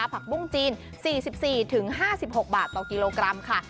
ผักบุ้งจีน๔๔๕๖บาทต่อกิโลกรัมค่ะ